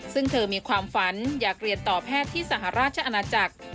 ซึ่งเธอมีความฝันอยากเรียนต่อแพทย์ที่สหราชอาณาจักร